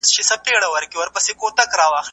شفاهي روایتونه او افسانې سته، چي ادعا کوي پښتانه د